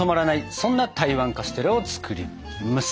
そんな台湾カステラを作ります。